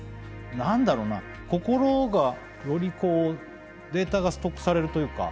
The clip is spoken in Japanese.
心がよりこうデータがストックされるというか。